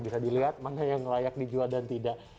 bisa dilihat mana yang layak dijual dan tidak